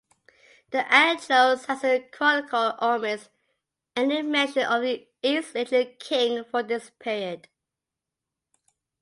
The "Anglo-Saxon Chronicle" omits any mention of an East Anglian king for this period.